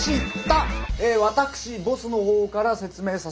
え私ボスの方から説明させて頂きます。